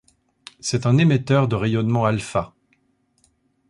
C’est un émetteur de rayonnement alpha.